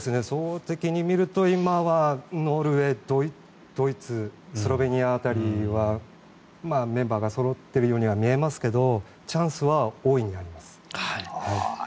総合的に見ると今はノルウェー、ドイツスロベニア辺りは、メンバーがそろっているようには見えますがチャンスは大いにあります。